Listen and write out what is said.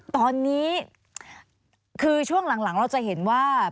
ตอนนี้คือช่วงหลังเราจะเห็นว่า